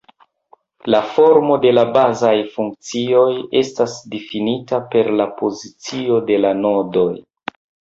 La formo de la bazaj funkcioj estas difinita per la pozicio de la nodoj.